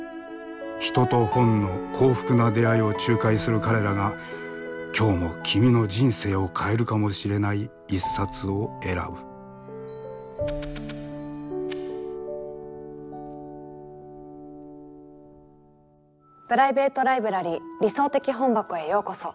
人と本の幸福な出会いを仲介する彼らが今日も君の人生を変えるかもしれない一冊を選ぶプライベート・ライブラリー「理想的本箱」へようこそ。